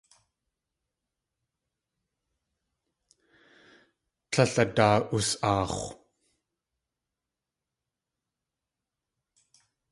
Tlél adaa.us.aax̲w.